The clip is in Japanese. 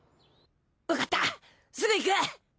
わかったすぐ行く！